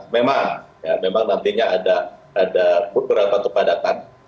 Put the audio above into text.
memang nantinya ada beberapa kepadatan